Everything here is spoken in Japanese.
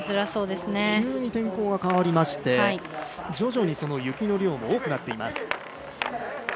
急に天候が変わりまして徐々に雪の量も多くなっています。